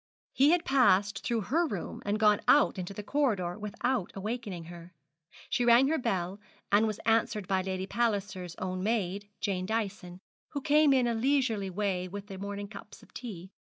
He had passed through her room and gone out into the corridor, without awakening her. She rang her bell, and was answered by Lady Palliser's own maid, Jane Dyson, who came in a leisurely way with the morning cups of tea.